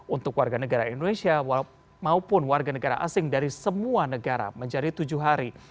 untuk warga negara indonesia maupun warga negara asing dari semua negara menjadi tujuh hari